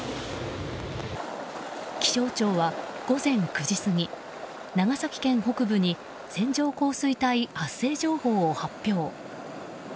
気象庁は午前９時過ぎ長崎県北部に線状降水帯発生情報を発表。